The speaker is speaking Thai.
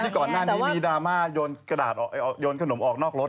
พี่ก่อนหน้านี้มีดราม่ายยนต์ขนมออกนอกรถ